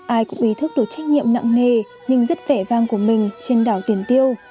ai cũng ý thức được trách nhiệm nặng nề nhưng rất vẻ vang của mình trên đảo tiền tiêu